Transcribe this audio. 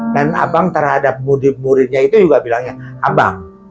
dan abang terhadap murid muridnya itu juga bilangnya abang